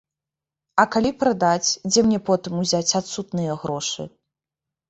А калі прадаць, дзе мне потым узяць адсутныя грошы?